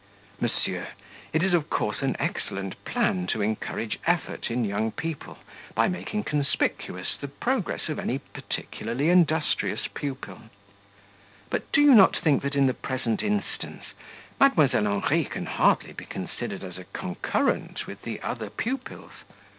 "Monsieur, it is of course an excellent plan to encourage effort in young people by making conspicuous the progress of any particularly industrious pupil; but do you not think that in the present instance, Mdlle. Henri can hardly be considered as a concurrent with the other pupils?